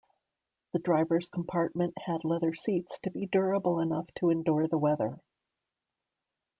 The drivers compartment had leather seats to be durable enough to endure the weather.